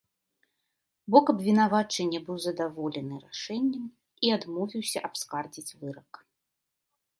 Бок абвінавачання быў задаволены рашэннем і адмовіўся абскардзіць вырак.